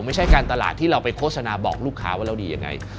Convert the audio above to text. ไม่ใช่การตลาดที่เราไปโฆษณาบอกลูกค้าว่าเราดียังไง